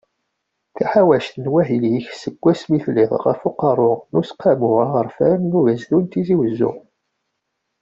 Taḥawact n wahil-ik, seg wasmi telliḍ ɣef uqerru n Useqqamu Aɣerfan n Ugezdu n Tizi Uzzu.